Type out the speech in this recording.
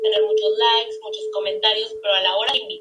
Jugó de volante y su último equipo fue el Hajduk Split.